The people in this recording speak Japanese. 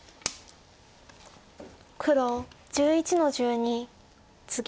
黒１１の十二ツギ。